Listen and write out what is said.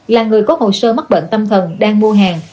là người có hồ sơ mắc bệnh tâm thần đang mua hàng